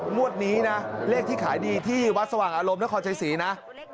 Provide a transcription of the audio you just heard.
งวดนี้นะเลขที่ขายดีที่วัดสว่างอารมณ์นครชัยศรีนะ